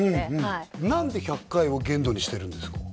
い何で１００回を限度にしてるんですか？